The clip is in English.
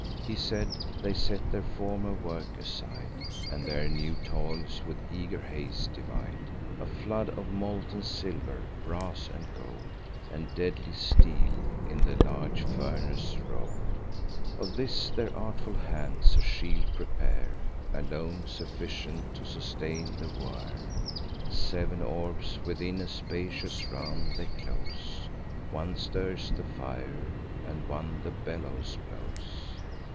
He said. They set their former work aside, And their new toils with eager haste divide. A flood of molten silver, brass, and gold, And deadly steel, in the large furnace roll'd; Of this, their artful hands a shield prepare, Alone sufficient to sustain the war. Sev'n orbs within a spacious round they close: One stirs the fire, and one the bellows blows.